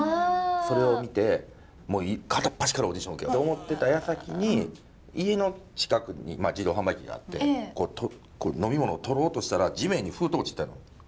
それを見て片っ端からオーディション受けようと思ってたやさきに家の近くに自動販売機があって飲み物を取ろうとしたら地面に封筒が落ちてたの。